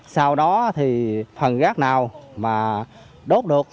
sau đó thì phần rác nào mà đốt được